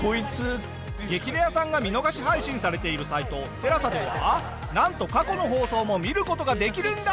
『激レアさん』が見逃し配信されているサイトＴＥＬＡＳＡではなんと過去の放送も見る事ができるんだ！